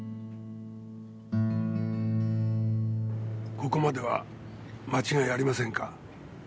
ここまでは間違いありませんか？